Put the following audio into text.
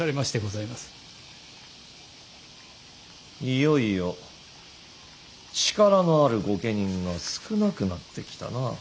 いよいよ力のある御家人が少なくなってきたな。